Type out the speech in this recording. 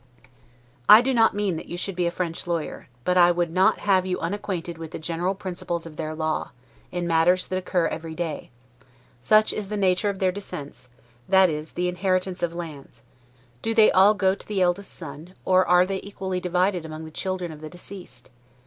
I do not mean that you should be a French lawyer; but I would not have you unacquainted with the general principles of their law, in matters that occur every day: Such is the nature of their descents, that is, the inheritance of lands: Do they all go to the eldest son, or are they equally divided among the children of the deceased?